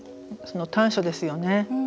短所ですよね。